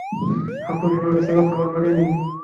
হাতুড়ি নড়েছে অথবা নড়েনি।